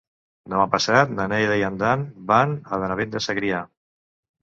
Demà passat na Neida i en Dan van a Benavent de Segrià.